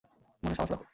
মনে সাহস রাখ।